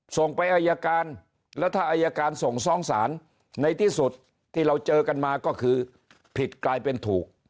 ส่งไปอายการแล้วถ้าอายการส่งฟ้องศาลในที่สุดที่เราเจอกันมาก็คือผิดกลายเป็นถูก